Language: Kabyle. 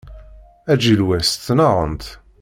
Aǧilewwas ttnaɣent.